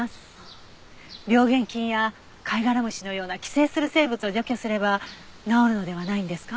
病原菌やカイガラムシのような寄生する生物を除去すれば治るのではないんですか？